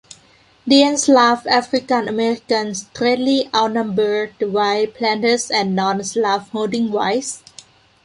The enslaved African Americans greatly outnumbered the white planters and non-slaveholding whites.